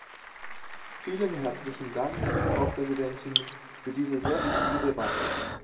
Vielen herzlichen Dank, Frau Präsidentin, für diese sehr wichtige Debatte.